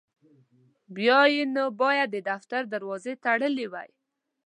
بیا یې نو باید د دفتر دروازې تړلي وای.